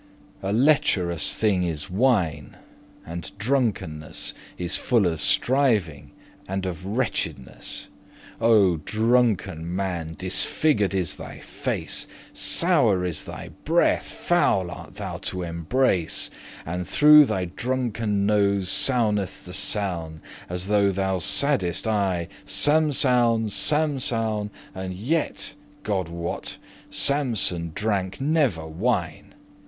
A lecherous thing is wine, and drunkenness Is full of striving and of wretchedness. O drunken man! disfgur'd is thy face,<16> Sour is thy breath, foul art thou to embrace: And through thy drunken nose sowneth the soun', As though thous saidest aye, Samsoun! Samsoun! And yet, God wot, Samson drank never wine.